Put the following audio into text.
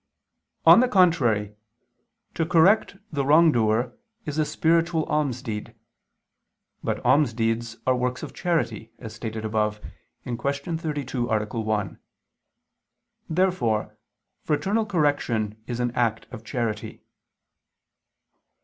On the contrary, To correct the wrongdoer is a spiritual almsdeed. But almsdeeds are works of charity, as stated above (Q. 32, A. 1). Therefore fraternal correction is an act of charity.